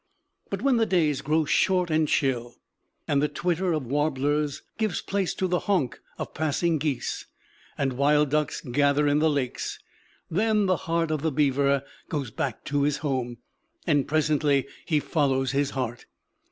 But when the days grow short and chill, and the twitter of warblers gives place to the honk of passing geese, and wild ducks gather in the lakes, then the heart of the beaver goes back to his home; and presently he follows his heart.